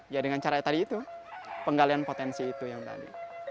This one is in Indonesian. ya dengan cara tadi itu penggalian potensi itu yang tadi